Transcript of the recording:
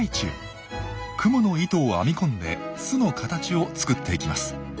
クモの糸を編み込んで巣の形を作っていきます。